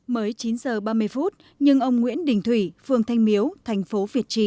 mới chín giờ ba mươi phút nhưng ông nguyễn đình thủy phường thanh miếu thành phố việt trì